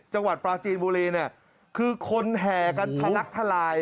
จังหวัดปลาจีนบุรีเนี่ยคือคนแห่กันทะลักทลาย